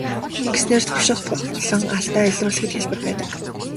Ингэснээр турших болон алдаа илрүүлэхэд хялбар байдаг.